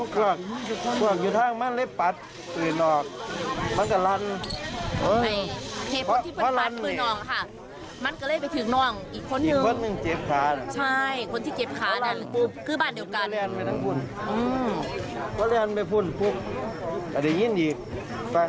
ฟังนึงครูแหลนมาพุกติ้นครูแหลนจับเนอะ